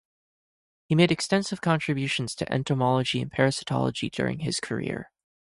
He made extensive contributions to entomology and parasitology during his career.